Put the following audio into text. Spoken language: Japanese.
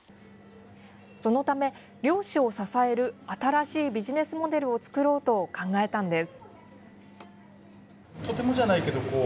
そのため、猟師を支える新しいビジネスモデルを作ろうと考えたんです。